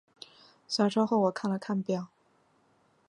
下车后我看了看表